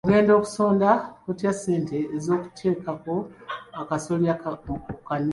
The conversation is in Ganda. Ogenda kusonda otya ssente z'okuteekako akasolya ku kkanisa